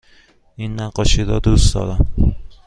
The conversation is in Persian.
این نقاشی را دوست دارم.